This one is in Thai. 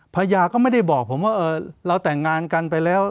ภรรยาก็ไม่ได้บอกผมว่าเราแต่งงานกันไปแล้ว